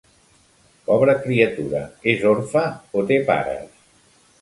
Pobra criatura, és orfe o té pares?